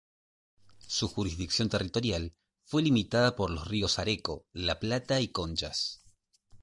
Su jurisdicción territorial fue limitada por los ríos Areco, la Plata y Conchas.